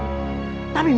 sama suami kamu